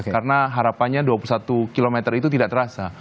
karena harapannya dua puluh satu km itu tidak terasa